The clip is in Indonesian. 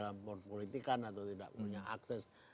tidak masuk langsung dalam politikan atau tidak punya akses